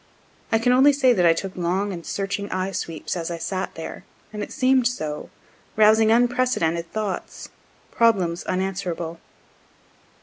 I can only say that I took long and searching eyesweeps as I sat there, and it seem'd so, rousing unprecedented thoughts, problems unanswerable.